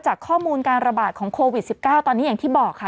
ข้อมูลการระบาดของโควิด๑๙ตอนนี้อย่างที่บอกค่ะ